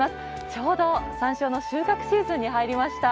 ちょうど山椒の収穫シーズンに入りました。